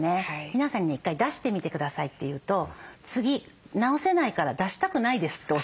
皆さんに「１回出してみて下さい」って言うと「次直せないから出したくないです」っておっしゃるんですね。